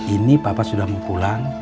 ini papa sudah mau pulang